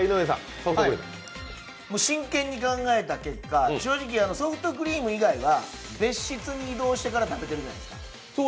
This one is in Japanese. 真剣に考えた結果、正直、ソフトクリーム以外は別室に移動してから食べてるじゃないですか。